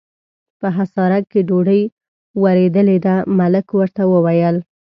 په حصارک کې ډوډۍ ورېدلې ده، ملک ورته وویل.